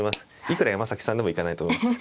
いくら山崎さんでも行かないと思います。